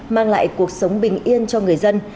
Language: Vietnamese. mang lại cuộc sống bình yên cho người dân